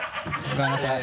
ごめんなさい。